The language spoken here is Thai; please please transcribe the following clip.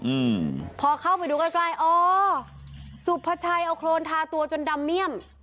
อืมพอเข้าไปดูใกล้ใกล้อ๋อสุภาชัยเอาโครนทาตัวจนดำเมี่ยม